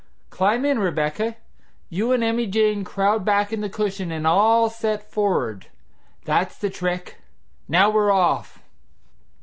Climb in, Rebecca. You an' Emmy Jane crowd back on the cushion an' I'll set forrard. That's the trick! Now we're off!"